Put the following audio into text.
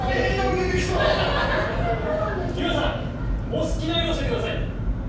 お好きな色教えてください。